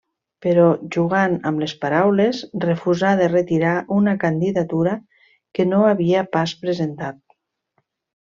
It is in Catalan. Però jugant amb les paraules, refusà de retirar una candidatura que no havia pas presentat.